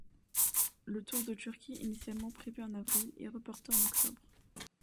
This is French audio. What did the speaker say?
Le Tour de Turquie initialement prévu en avril est reporté à octobre.